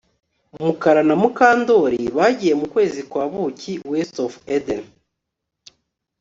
Mukara na Mukandoli bagiye mukwezi kwa buki WestofEden